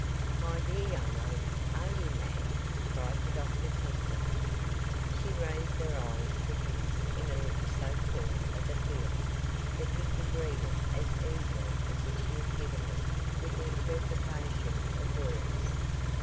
"My dear young lady, are you mad?" cried the doctor, testily. She raised her eyes to his in a look so full of appeal, that he could read it as easily as if she had given it with the interpretation of words.